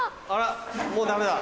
もうダメだ。